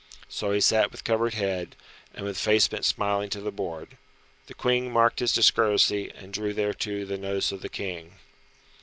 So he sat with covered head, and with face bent smiling to the board. The Queen marked his discourtesy, and drew thereto the notice of the King.